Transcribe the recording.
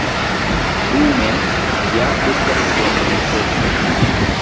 Dume ja estas sennecese.